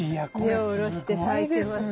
根を下ろして咲いてますね。